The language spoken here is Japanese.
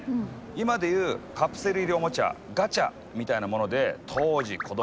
今で言うカプセル入りおもちゃガチャみたいなもので当時へえ。